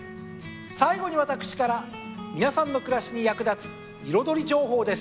最後に私から皆さんの暮らしに役立つ彩り情報です。